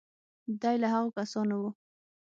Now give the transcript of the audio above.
دی له هغو کسانو و.